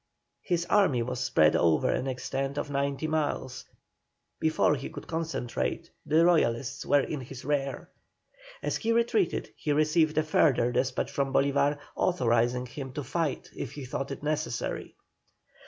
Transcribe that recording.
His army was spread over an extent of ninety miles; before he could concentrate the Royalists were in his rear. As he retreated he received a further despatch from Bolívar authorising him to fight if he thought it necessary.